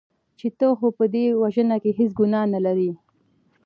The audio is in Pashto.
چې ته خو په دې وژنه کې هېڅ ګناه نه لرې .